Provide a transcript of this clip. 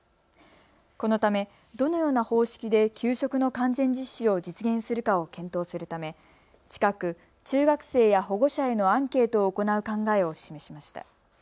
このため、どのような方式で給食の完全実施を実現するかを検討するため近く中学生や保護者へのアンケートを行う考えを示しました。